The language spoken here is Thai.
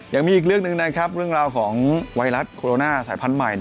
ยังมีอีกเรื่องหนึ่งนะครับเรื่องราวของไวรัสโคโรนาสายพันธุ์ใหม่